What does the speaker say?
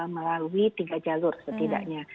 melalui tiga jalur setidaknya